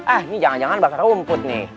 ah ini jangan jangan bakar rumput nih